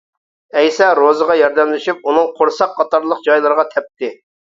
ئەيسا روزىغا ياردەملىشىپ ئۇنىڭ قورساق قاتارلىق جايلىرىغا تەپتى.